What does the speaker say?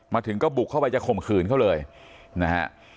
มาถึงก็บุกเข้าไปจะข่มขืนเขาเลยนะฮะ